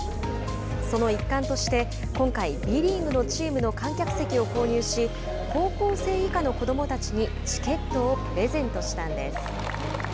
その一環として今回Ｂリーグのチームの観客席を購入し高校生以下の子どもたちにチケットをプレゼントしたんです。